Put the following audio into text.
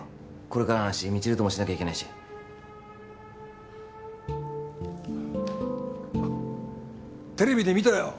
これからの話未知留ともしなきゃいけないしテレビで見たよ